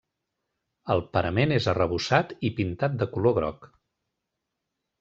El parament és arrebossat i pintat de color groc.